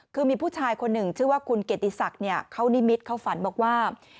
คือมีผู้ชายคนนึงเชื่อว่าเคอร์นิมิตเค้าฝันว่า